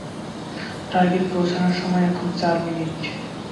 টার্গেটে পৌঁছানোর সময় এখন চার মিনিট।